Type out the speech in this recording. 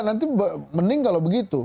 nanti mending kalau begitu